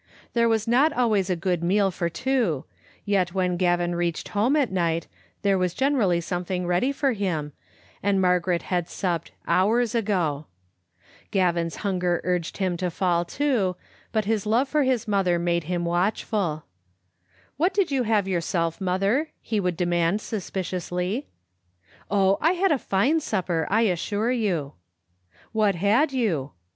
There was not always a good meal for two, yet when Gavin reached home at night there was generally something ready for him, and Digitized by VjOOQ IC 13 tibe Xfttle Ainietcv. Margaret had supped "hours ago." Gavin's hunger urged him to fall to, but his love for his mother made him watchful. " What did you have yourself, mother?" he would de mand suspiciously. " Oh, I had a fine supper, I assure you." "What had you?"